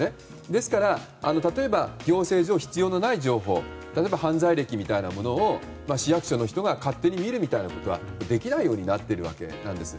ですから、例えば行政上必要ない情報例えば犯罪歴みたいなものを市役所の人が勝手に見るみたいなことはできないようになっているわけです。